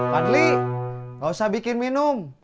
padli enggak usah bikin minum